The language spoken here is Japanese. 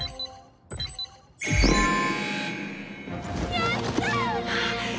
やったー！